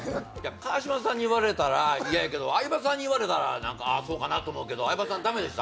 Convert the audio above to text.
川島さんに言われたら嫌やけど相葉さんに言われたらそうやなと思うけど、ダメでした？